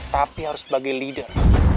tapi harus sebagai leader